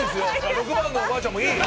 ６番のおばあちゃんもいい！